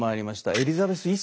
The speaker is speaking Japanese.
エリザベス１世。